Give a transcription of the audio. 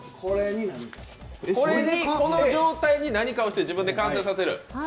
この状態に何かをして、自分で完成させる。